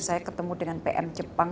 saya ketemu dengan pm jepang